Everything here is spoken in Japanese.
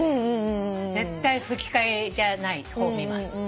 絶対吹き替えじゃない方見ます。